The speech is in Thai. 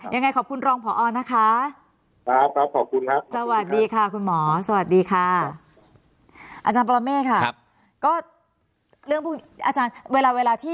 ยังไงขอบคุณรองพอนะคะ